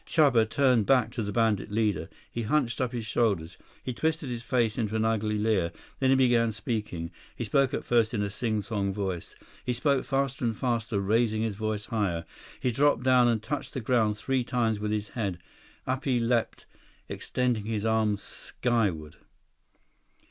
Chuba turned back to the bandit leader. He hunched up his shoulders. He twisted his face into an ugly leer. Then he began speaking. He spoke at first in a sing song voice. He spoke faster and faster, raising his voice higher. He dropped down and touched the ground three times with his head. Up he leaped, extending his arms skyward.